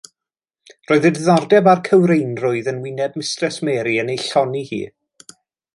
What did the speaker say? Roedd y diddordeb a'r cywreinrwydd yn wyneb Mistres Mary yn ei llonni hi.